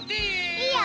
いいよ。